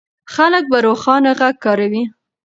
خلک به روښانه غږ کاروي.